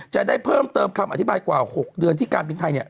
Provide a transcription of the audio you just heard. จะได้เพิ่มเติมคำอธิบายกว่า๖เดือนที่การบินไทยเนี่ย